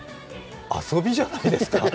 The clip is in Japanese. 遊びじゃないですか！